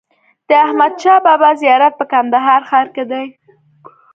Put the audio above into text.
د احمدشاه بابا زيارت په کندهار ښار کي دئ.